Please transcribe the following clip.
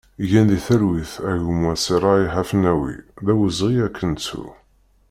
Gen di talwit a gma Serray Ḥafnawi, d awezɣi ad k-nettu!